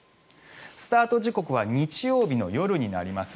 スタート時刻は日曜日の夜になります。